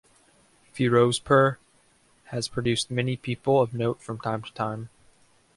Firozpur has produced many people of note from time to time.